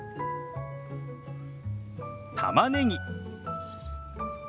たまねぎ。